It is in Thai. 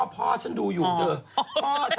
พ่อฉันดูอยู่เถอะ